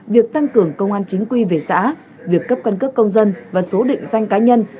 việc tăng cường công an chính quy về xã việc cấp cân cước công dân và số định danh cá nhân